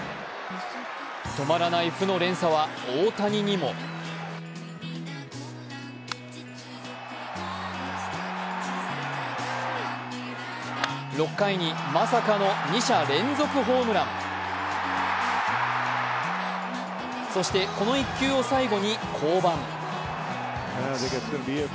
止まらない負の連鎖は大谷にも６回にまさかの二者連続ホームランそしてこの１球を最後に降板。